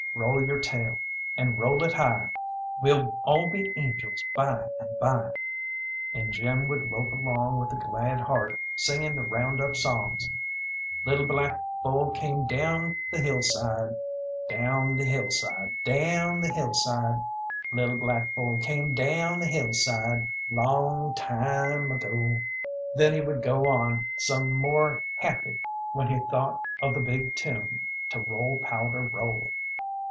"Roll your tail and roll it high, We'll all be angels by and by!" And Jim would lope along with a glad heart, singing the round up songs "Little black bull came down the hillside, Down the hillside, down the hillside, Little black bull came down the hillside, Long time ago." Then he would go on some more happy when he thought of the big tune to "Roll, Powder, Roll!"